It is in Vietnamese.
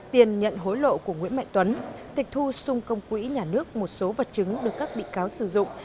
tiền nhận hối lộ của nguyễn mạnh tuấn tịch thu xung công quỹ nhà nước một số vật chứng được các bị cáo sử dụng